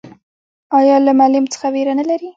ایا له معلم څخه ویره نلري؟